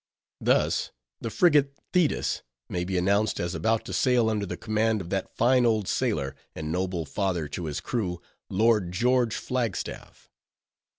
Thus, the frigate Thetis may be announced as about to sail under the command of that fine old sailor, and noble father to his crew, _Lord George Flagstaff.